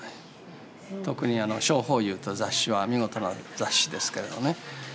特に「小朋友」という雑誌は見事な雑誌ですけれどね。